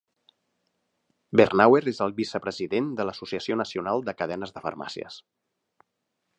Bernauer és el vicepresident de l'Associació nacional de cadenes de farmàcies.